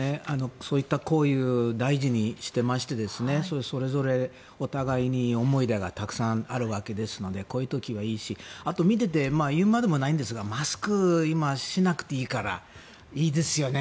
そういった交流を大事にしてましてそれぞれお互いに思い入れがたくさんあるわけですのでこういう時はいいしあと、見ていて言うまでもないんですがマスク、今しなくていいからいいですよね